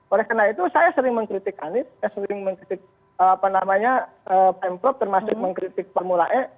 oleh karena itu saya sering mengkritik anies saya sering mengkritik apa namanya pm prop termasuk mengkritik formula e